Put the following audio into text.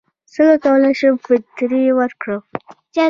څنګه کولی شم فطرې ورکړم